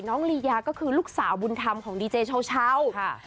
น้องลียาก็คือลูกสาวบุญธรรมของดีเจเช่าเช่าค่ะ